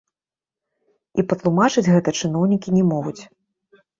І патлумачыць гэта чыноўнікі не могуць.